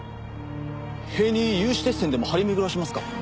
塀に有刺鉄線でも張り巡らせますか？